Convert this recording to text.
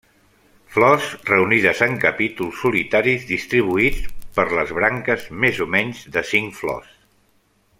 Flors reunides en capítols solitaris distribuïts per les branques, més o menys de cinc flors.